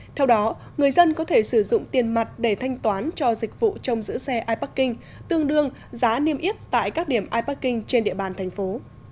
theo đó người dân có thể sử dụng tiền mặt để thanh toán cho dịch vụ trong giữ xe iparking tương đương giá niêm yết tại các điểm iparking trên địa bàn thành phố